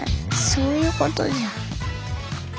そういうことじゃ。